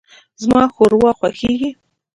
زما ښوروا خوښیږي.